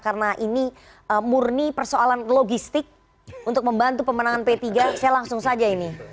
karena ini murni persoalan logistik untuk membantu pemenangkan tiga selesai langsung saja ini